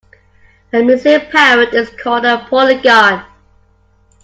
A missing parrot is called a polygon.